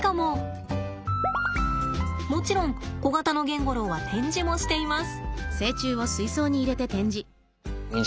もちろんコガタノゲンゴロウは展示もしています。